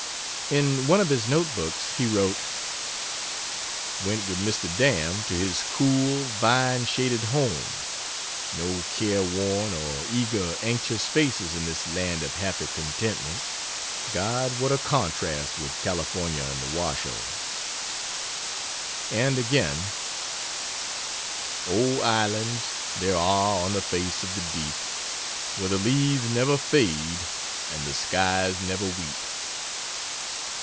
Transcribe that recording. In one of his note books he wrote: "Went with Mr. Dam to his cool, vine shaded home; no care worn or eager, anxious faces in this land of happy contentment. God, what a contrast with California and the Washoe!" And again: "Oh, Islands there are on the face of the deep Where the leaves never fade and the skies never weep."